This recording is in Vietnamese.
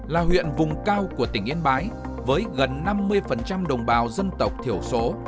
là huyện vùng cao của tỉnh yên bái với gần năm mươi đồng bào dân tộc thiểu số